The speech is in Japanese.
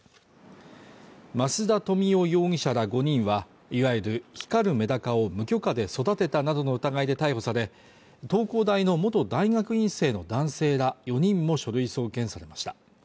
増田富男容疑者ら５人は、いわゆる光るメダカを無許可で育てたなどの疑いで逮捕され、東工大の元大学院生の男性ら４人も書類送検されました。